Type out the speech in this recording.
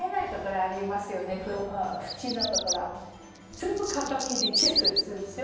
全部鏡でチェックするんですよ。